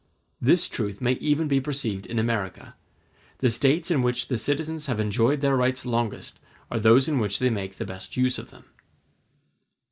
This truth may even be perceived in America. The States in which the citizens have enjoyed their rights longest are those in which they make the best use of them.